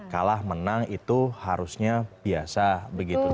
kalah menang itu harusnya biasa begitu